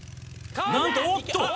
なんとおっと！